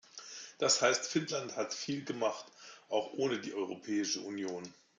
Das heißt, Finnland hat viel gemacht, auch ohne die Europäische Union.